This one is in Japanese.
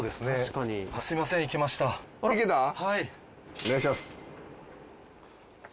お願いします。